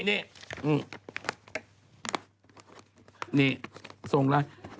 นี่ส่งราย